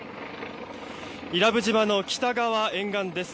伊良部島の北側沿岸です。